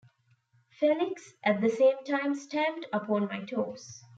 Felix, at the same time, stamped upon my toes.